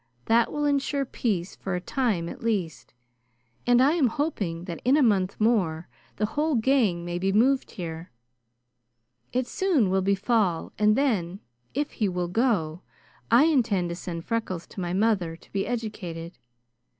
That will insure peace for a time, at least, and I am hoping that in a month more the whole gang may be moved here. It soon will be fall, and then, if he will go, I intend to send Freckles to my mother to be educated.